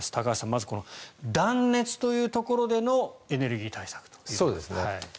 まず断熱というところでのエネルギー対策ということですね。